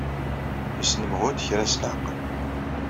Yesnemhu-d kra s leɛqel.